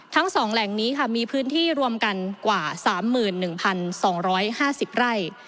ทั้ง๒แหล่งนี้ค่ะมีพื้นที่รวมกันกว่า๓๑๒๕๐ไร่